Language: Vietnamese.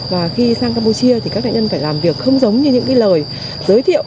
và khi sang campuchia thì các thanh niên phải làm việc không giống như những cái lời giới thiệu